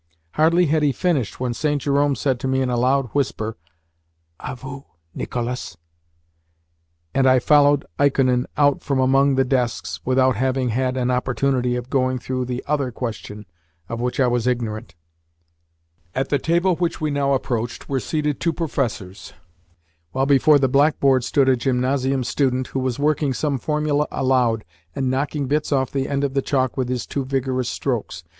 Hardly had he finished when St. Jerome said to me in a loud whisper, "A vous, Nicolas," and I followed Ikonin out from among the desks without having had an opportunity of going through the OTHER question of which I was ignorant. At the table which we now approached were seated two professors, while before the blackboard stood a gymnasium student, who was working some formula aloud, and knocking bits off the end of the chalk with his too vigorous strokes.